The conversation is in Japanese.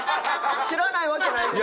知らないわけないでしょ。